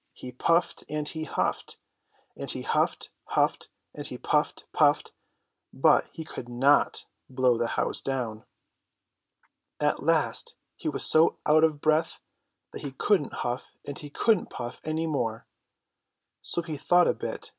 He puffed and he huffed. And he huffed, huffed, and he puffed, puffed ; but he could not blow the house down. At last he was so out of breath that he couldn't huff and he couldn't puff any more. So he thought a bit.